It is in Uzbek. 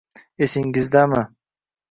Esingizdami?